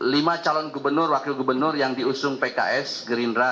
lima calon gubernur wakil gubernur yang diusung pks gerindra